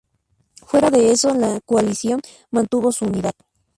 Fuera de eso, la coalición mantuvo su unidad.